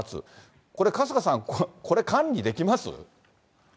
これ、春日さん、これ管理できま